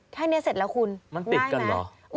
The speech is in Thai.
แค่นี้เสร็จแล้วคุณง่ายมาก